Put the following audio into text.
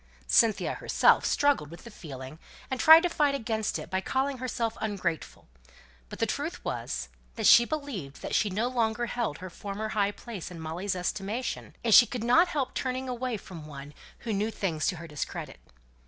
Cynthia herself struggled with the feeling, and tried to fight against it by calling herself "ungrateful;" but the truth was, she believed that she no longer held her former high place in Molly's estimation and she could not help turning away from one who knew things to her discredit.